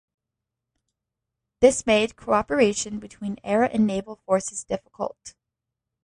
This made cooperation between air and naval forces difficult.